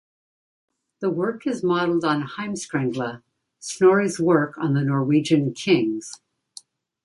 The work is modelled on the "Heimskringla", Snorri's work on the Norwegian kings.